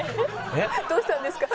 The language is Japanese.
どうしたんですか？